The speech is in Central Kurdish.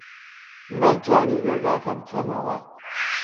نەمتوانی دەرگاکە بکەمەوە.